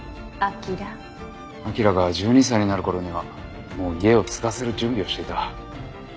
彰良彰良が１２歳になる頃にはもう家を継がせる準備をしていた。